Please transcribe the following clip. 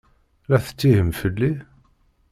La tettihim fell-i?